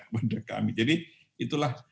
kepada kami jadi itulah